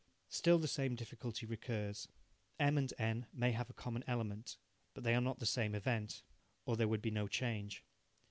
Still the same difficulty recurs. M and N may have a common element, but they are not the same event, or there would be no change.